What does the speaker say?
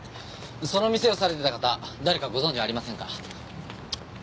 その店をされてた方誰かご存じありませんか？